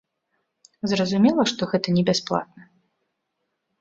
Зразумела, што гэта не бясплатна.